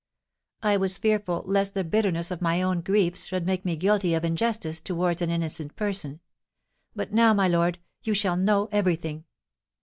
"I was fearful lest the bitterness of my own griefs should make me guilty of injustice towards an innocent person; but now, my lord, you shall know everything.